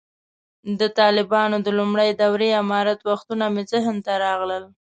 د طالبانو د لومړۍ دورې امارت وختونه مې ذهن ته راغلل.